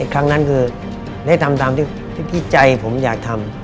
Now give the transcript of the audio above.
ครั้งนั้นตามที่ดีใจผมอยากทำ